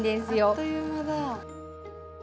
あっという間だ。